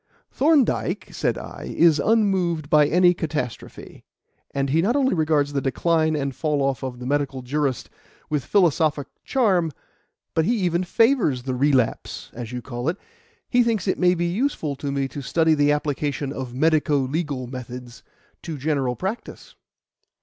"Thorndyke," said I, "is unmoved by any catastrophe; and he not only regards the 'Decline and Fall off of the Medical Jurist' with philosophic calm, but he even favours the relapse, as you call it. He thinks it may be useful to me to study the application of medico legal methods to general practice."